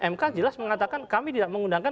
mk jelas mengatakan kami tidak mengundangkan